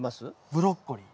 ブロッコリー。